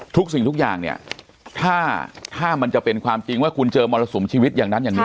ทุกสิ่งทุกอย่างเนี่ยถ้ามันจะเป็นความจริงว่าคุณเจอมรสุมชีวิตอย่างนั้นอย่างนี้